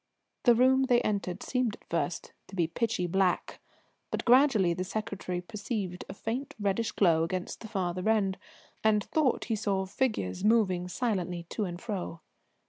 The room they entered seemed at first to be pitchy black, but gradually the secretary perceived a faint reddish glow against the farther end, and thought he saw figures moving silently to and fro.